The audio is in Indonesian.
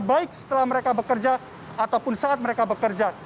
baik setelah mereka bekerja ataupun saat mereka bekerja